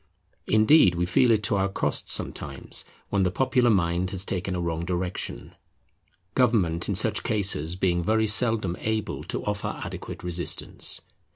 Indeed, we feel it to our cost sometimes when the popular mind has taken a wrong direction; government in such cases being very seldom able to offer adequate resistance.